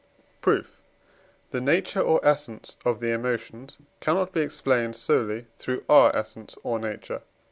Proof. The nature or essence of the emotions cannot be explained solely through our essence or nature (III.